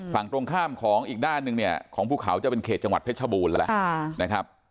ฝั่งตรงข้ามของอีกด้านหนึ่งเนี่ยของภูเขาจะเป็นเขตจังหวัดเพชรบูรณ์แล้วนะครับ